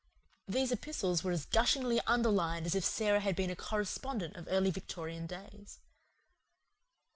These epistles were as gushingly underlined as if Sara had been a correspondent of early Victorian days.